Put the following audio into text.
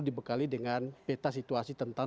dibekali dengan peta situasi tentang